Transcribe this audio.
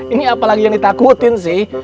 ini apalagi yang ditakutin sih